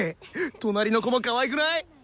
隣の子もかわいくない？